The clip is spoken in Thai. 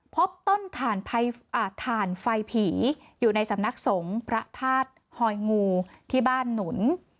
พบต้นถ่านไฟผีอยู่ในสำนักสงฆ์พระธาตุหอยงูที่บ้านหนุน